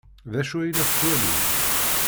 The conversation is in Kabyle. D acu ay la yettwali?